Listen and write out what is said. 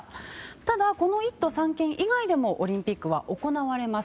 ただ、この１都３県以外でもオリンピックは行われます。